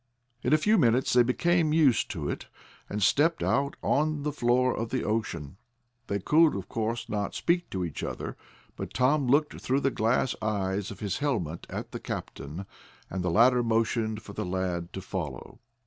In a few minutes they became used to it, and stepped out on the floor of the ocean. They could not, of course, speak to each other, but Tom looked through the glass eyes of his helmet at the captain, and the latter motioned for the lad to follow.